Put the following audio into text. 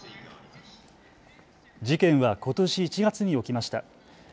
事件はことし１月に起きました。